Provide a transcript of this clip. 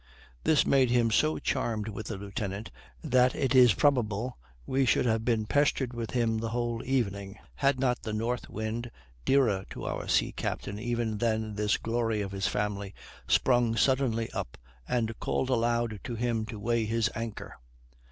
This made him so charmed with the lieutenant, that it is probable we should have been pestered with him the whole evening, had not the north wind, dearer to our sea captain even than this glory of his family, sprung suddenly up, and called aloud to him to weigh his anchor.